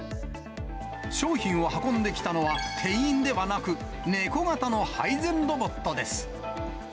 商品を運んで来たのは店員ではなく、ネコ型の配膳ロボットです。